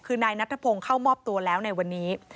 คือนายนัทพงศ์เข้ามอบตัวแล้วในวันนี้